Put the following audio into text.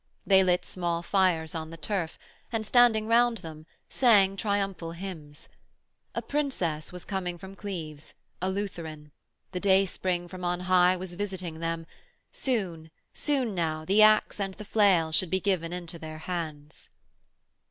They lit small fires on the turf and, standing round them, sang triumphal hymns. A Princess was coming from Cleves, a Lutheran; the day spring from on high was visiting them; soon, soon now, the axe and the flail should be given into their hands.